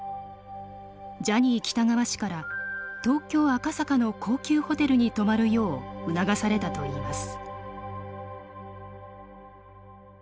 ジャニー喜多川氏から東京・赤坂の高級ホテルに泊まるよう促されたといいます。